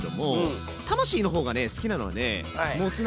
魂の方が好きなのはねモツ鍋！